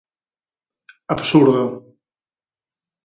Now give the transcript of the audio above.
Absurdo.